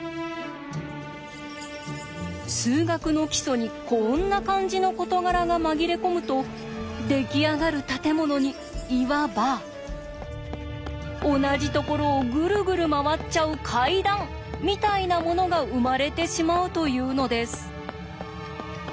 数学の基礎にこんな感じの事柄が紛れ込むと出来上がる建物にいわば同じところをグルグル回っちゃう階段みたいなものが生まれてしまうというのです。